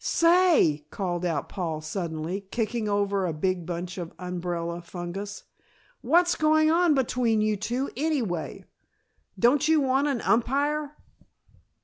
"Say!" called out Paul suddenly, kicking over a big bunch of "umbrella fungus," "what's going on between you two anyway? Don't you want an umpire?"